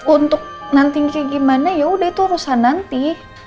untuk nanti kayak gimana ya udah itu urusan nanti